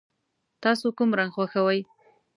تاسو کوم رنګ خوښوئ؟